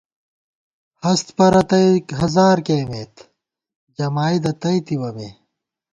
ہست پرَتَئ ہزار کېئیمېت جمائیدہ تئیتِوَہ مے